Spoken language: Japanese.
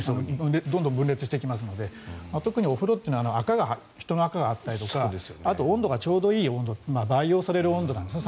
どんどん分裂していきますので特にお風呂というのは人の垢があったりとかあと、温度がちょうどいい温度培養される温度なんですね。